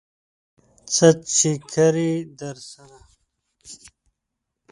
چې څه کار يې درسره دى?